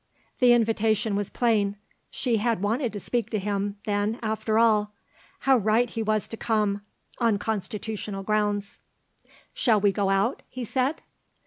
The invitation was plain. She had wanted to speak to him, then, after all. How right he was to come, on constitutional grounds. "Shall we go out?" he said.